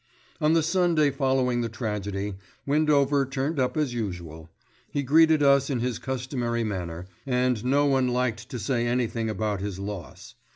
On the Sunday following the tragedy, Windover turned up as usual. He greeted us in his customary manner, and no one liked to say anything about his loss.